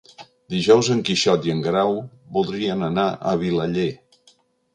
Dijous en Quixot i en Guerau voldrien anar a Vilaller.